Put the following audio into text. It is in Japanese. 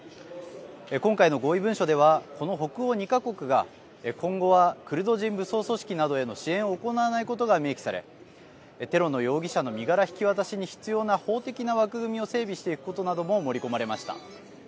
今回の合意文書ではこの北欧２か国が今後はクルド人武装組織などへの支援を行わないことが明記されテロの容疑者の身柄引き渡しに必要な法的な枠組みを整備していくことなども盛り込まれました。